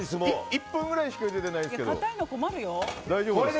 １分ぐらいしかゆでてないですけど。